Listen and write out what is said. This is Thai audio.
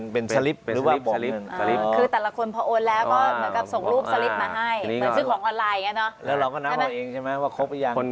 เป็นสลิปหรือว่าบ่งเงิน